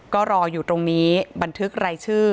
ก็รออยู่ตรงนี้บันทึกรายชื่อ